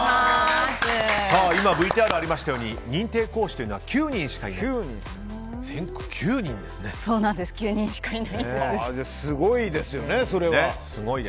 今、ＶＴＲありましたように認定講師というのは全国に９人しかいない。